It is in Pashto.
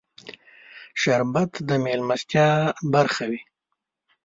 شربت د مېلمستیا برخه وي